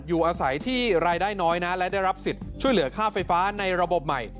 อยู่อาศัยที่รายได้น้อยนะและได้รับสิทธิ์ช่วยเหลือค่าไฟฟ้าในระบบใหม่